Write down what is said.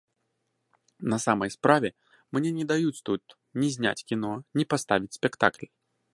На самай справе, мне не даюць тут ні зняць кіно, ні паставіць спектакль.